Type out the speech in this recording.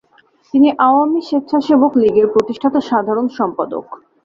তিনি আওয়ামী স্বেচ্ছাসেবক লীগের প্রতিষ্ঠাতা সাধারণ সম্পাদক।